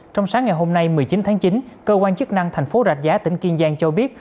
trong sáng ngày hôm nay một mươi chín tháng chín cơ quan chức năng thành phố rạch giá tỉnh kiên giang cho biết